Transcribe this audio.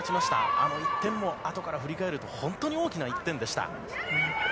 あの１点もあとから振り返ると本当に大きな１点でした。